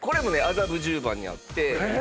麻布十番にあってええ！？